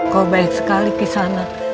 kau baik sekali kisah anak